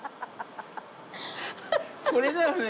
これだよね